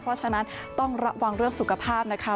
เพราะฉะนั้นต้องระวังเรื่องสุขภาพนะคะ